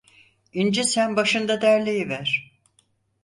İnci sen başında derleyiver.